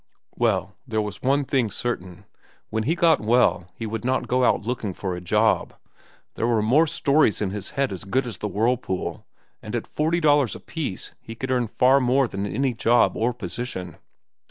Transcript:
Well, there was one thing certain: when he got well, he would not go out looking for a job. There were more stories in his head as good as "The Whirlpool," and at forty dollars apiece he could earn far more than in any job or position.